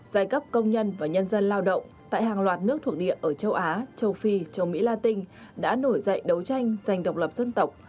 giai cấp công nhân và nhân dân lao động tại hàng loạt nước thuộc địa ở châu á châu phi châu mỹ la tinh đã nổi dậy đấu tranh giành độc lập dân tộc